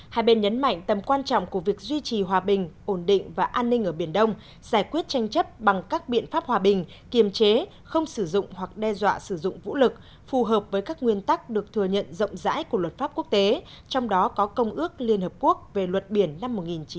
hai bên nhấn mạnh tầm quan trọng của việc duy trì hòa bình ổn định và an ninh ở biển đông giải quyết tranh chấp bằng các biện pháp hòa bình kiềm chế không sử dụng hoặc đe dọa sử dụng vũ lực phù hợp với các nguyên tắc được thừa nhận rộng rãi của luật pháp quốc tế trong đó có công ước liên hợp quốc về luật biển năm một nghìn chín trăm tám mươi hai